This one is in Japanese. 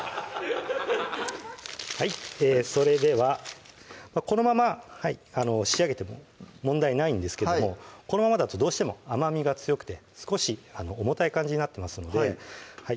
はいそれではこのまま仕上げても問題ないんですけどもこのままだとどうしても甘みが強くて少し重たい感じになってますのではい